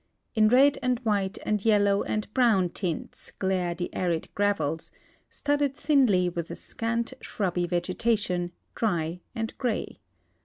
In red and white and yellow and 1)rown tints glare the arid gravels, studded tiiinly wdth a scant, shrubby vegetation, dr}' and gray.